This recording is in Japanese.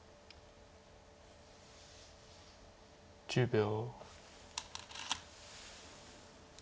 １０秒。